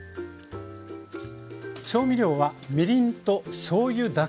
調味料はみりんとしょうゆだけです。